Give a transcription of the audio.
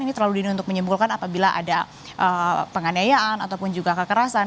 ini terlalu dini untuk menyimpulkan apabila ada penganiayaan ataupun juga kekerasan